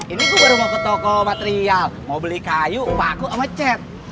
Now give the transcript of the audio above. ini gue baru mau ke toko material mau beli kayu paku sama chat